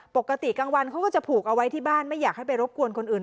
ปกติกลางวันเขาก็จะผูกเอาไว้ที่บ้านไม่อยากให้ไปรบกวนคนอื่น